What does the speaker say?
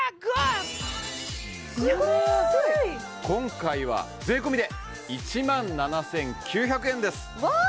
今回は税込で１万７９００円ですわ！